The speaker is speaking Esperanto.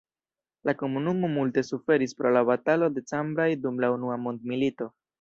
La komunumo multe suferis pro la batalo de Cambrai dum la Unua mondmilito.